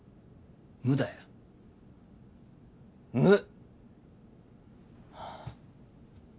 無だよ無！